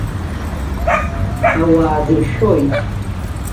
Ауаа дыршәоит.